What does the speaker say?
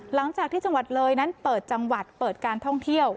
หลังจากที่จังหวัดเลยนั้นเปิดจังหวัดเปิดการท่องเที่ยว